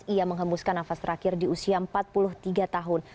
ia menghembuskan nafas terakhir di usia empat puluh tiga tahun